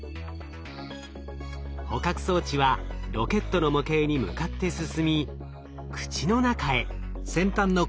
捕獲装置はロケットの模型に向かって進み口の中へ。